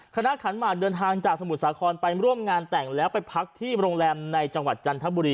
ขันหมากเดินทางจากสมุทรสาครไปร่วมงานแต่งแล้วไปพักที่โรงแรมในจังหวัดจันทบุรี